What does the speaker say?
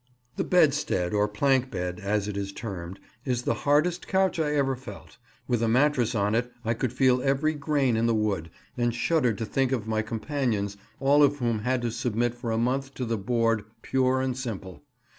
The bedstead, or "plank bed," as it is termed, is the hardest couch I ever felt; with a mattress on it I could feel every grain in the wood, and shuddered to think of my companions, all of whom had to submit for a month to the board "pure and simple."